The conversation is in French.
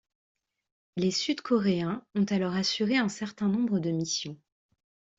Les Sud-Coréens ont alors assuré un certain nombre de missions.